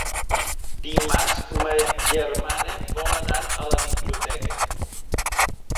Dimarts ma germana vol anar a la biblioteca.